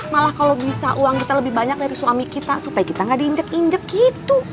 malah kalau bisa uang kita lebih banyak dari suami kita supaya kita nggak diinjek injek gitu